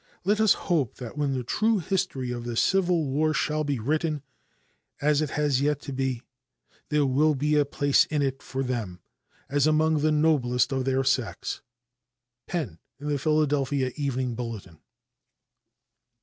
Let us hope that when the true history of the Civil War shall be written, as it has yet to be, there will be a place in it for them as among the noblest of their sex. "Penn," in the Philadelphia Evening Bulletin.